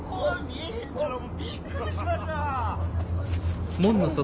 ちゅうのもびっくりしました！